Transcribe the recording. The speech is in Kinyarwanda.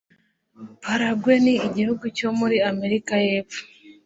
Paraguay ni igihugu cyo muri Amerika y'Epfo.